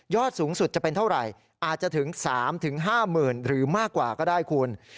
สูงสุดจะเป็นเท่าไหร่อาจจะถึง๓๕๐๐๐หรือมากกว่าก็ได้คุณ